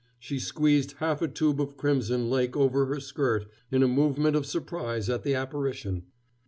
She squeezed half a tube of crimson lake over her skirt in a movement of surprise at the apparition.